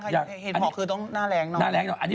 เห็ดผอก็ต้องหน้าแรงโน้ม